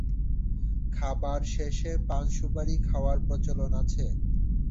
খাবার শেষে পান সুপারি খাওয়ার প্রচলন আছে।